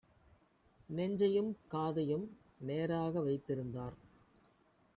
நெஞ்சையும் காதையும் நேராக வைத்திருந்தார்: